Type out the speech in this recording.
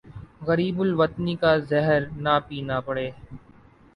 غریب الوطنی کا زہر نہ پینا پڑے